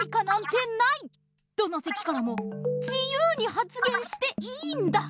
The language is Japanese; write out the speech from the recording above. どのせきからも自ゆうにはつ言していいんだ！